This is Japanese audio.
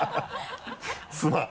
すまん！